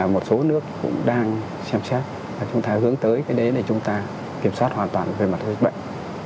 một số nước cũng đang xem xét và chúng ta hướng tới cái đấy để chúng ta kiểm soát hoàn toàn về mặt dịch bệnh